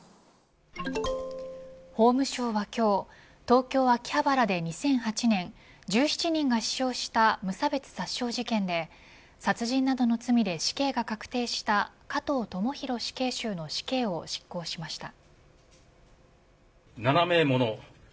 法務省は今日東京、秋葉原で２００８年１７人が死傷した無差別殺傷事件で殺人などの罪で死刑が確定した加藤智大死刑囚の死刑を執行しました。